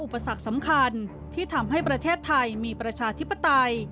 อุปสรรคสำคัญที่ทำให้ประเทศไทยมีประชาธิปไตย